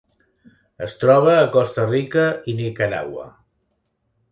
Es troba a Costa Rica i Nicaragua.